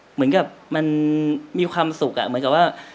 เหมือนกับมันมีความสุขเหมือนกับว่า